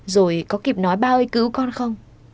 rồi có kịp nói ba ơi cứu con không